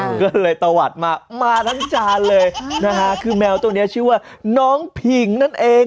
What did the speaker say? ก็เลยตะวัดมามาทั้งจานเลยนะฮะคือแมวตัวเนี้ยชื่อว่าน้องผิงนั่นเอง